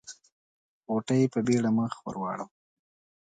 غوټۍ په بيړه مخ ور واړاوه.